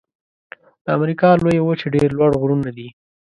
د امریکا لویې وچې ډېر لوړ غرونه دي.